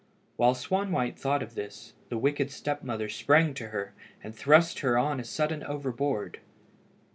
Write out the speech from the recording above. While Swanwhite thought of this, the wicked step mother sprang to her, and thrust her on a sudden overboard.